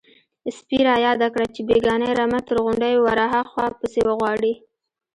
_سپي را ياده کړه چې بېګانۍ رمه تر غونډيو ورهاخوا پسې وغواړئ.